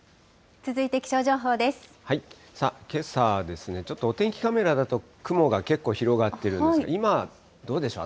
さあ、けさはですね、ちょっとお天気カメラだと雲が結構広がっているんですが、今はどうでしょう？